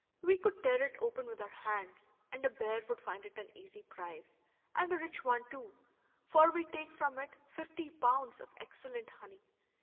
We could tear it open with our hands, and a bear would find it an easy prize, and a rich one too, for we take from it fifty pounds of excellent honey.